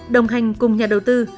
đồng hành cùng nhà đầu tư